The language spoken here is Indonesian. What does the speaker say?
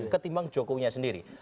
ketimbang jokowinya sendiri